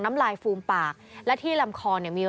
น้ำลายฟูมปากและที่ลำคอเนี่ยมี